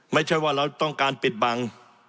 ไม่ใช่ว่าเราต้องการปิดบัง